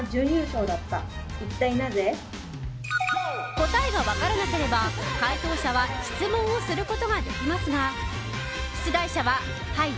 答えが分からなければ解答者は質問をすることができますが出題者は「はい」